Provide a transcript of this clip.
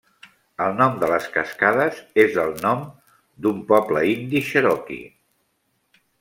El nom de les cascades és del nom d'un poble indi cherokee.